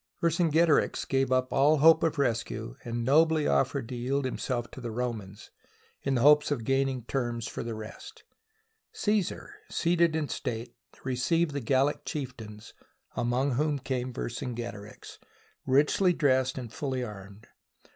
Vercingetorix gave up all hope of rescue and SIEGE OF ALESIA nobly offered to yield himself to the Romans, in the hope of gaining terms for the rest. Caesar, seated in state, received the Gallic chieftains, among whom came Vercingetorix, richly dressed and fully armed.